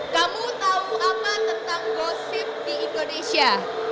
kamu tahu apa tentang gosip di indonesia